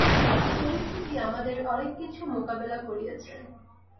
পরিস্থিতি আমাদের অনেককিছু মোকাবেলা করিয়েছে।